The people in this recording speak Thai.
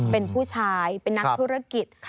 เป็นผู้ชายเป็นนักธุรกิจ